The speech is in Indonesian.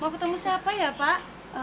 mau ketemu siapa ya pak